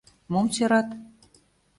Мом сӧрат?